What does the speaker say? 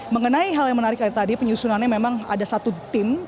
mengenai hal yang menarik tadi penyusunannya memang ada satu tim